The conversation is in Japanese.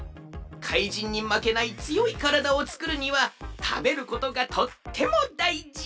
かいじんにまけないつよいからだをつくるにはたべることがとってもだいじ。